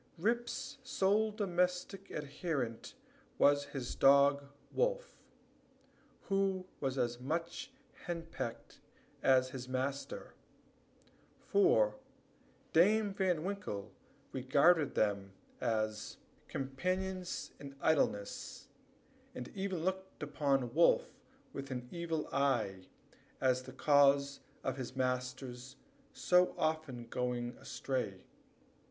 Rip's sole domestic adherent was his dog Wolf, who was as much henpecked as his master; for Dame Van Winkle regarded them as companions in idleness, and even looked upon Wolf with an evil eye, as the cause of his master's going so often astray.